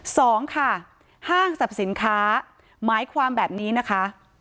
สองค่ะห้างสรรพสินค้าหมายความแบบนี้นะคะ